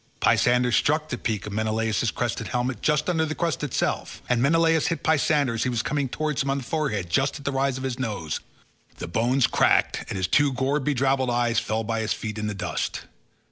Pisander struck the peak of Menelaus's crested helmet just under the crest itself, and Menelaus hit Pisander as he was coming towards him, on the forehead, just at the rise of his nose; the bones cracked and his two gore bedrabbled eyes fell by his feet in the dust.